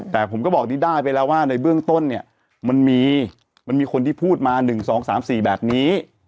แต่ผมก็บอกนิดได้ไปแล้วว่าในเบื้องต้นเนี่ยมันมีมันมีคนที่พูดมา๑๒๓๔แบบนี้